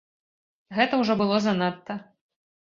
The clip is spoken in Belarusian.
Гэта ўжо было занадта!